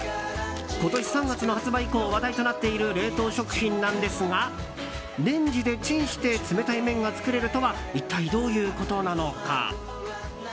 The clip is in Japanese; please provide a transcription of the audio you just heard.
今年３月の発売以降話題となっている冷凍食品なんですがレンジでチンして冷たい麺が作れるとは一体、どういうことなのか。